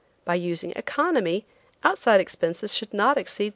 By using economy, outside expenses should not exceed $300.